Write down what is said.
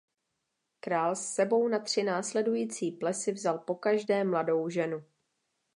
Král s sebou na tři následující plesy vzal pokaždé mladou ženu.